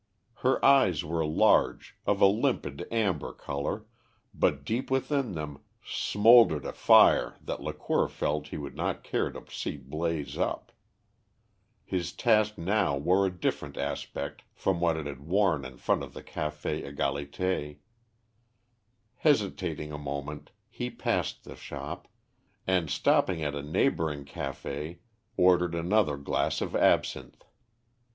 Her eyes were large, of a limpid amber colour, but deep within them smouldered a fire that Lacour felt he would not care to see blaze up. His task now wore a different aspect from what it had worn in front of the Café Égalité. Hesitating a moment, he passed the shop, and, stopping at a neighbouring café, ordered another glass of absinthe.